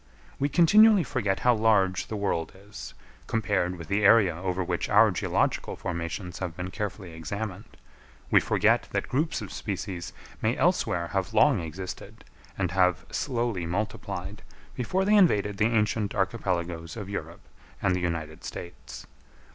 We continually forget how large the world is, compared with the area over which our geological formations have been carefully examined; we forget that groups of species may elsewhere have long existed, and have slowly multiplied, before they invaded the ancient archipelagoes of Europe and the United States.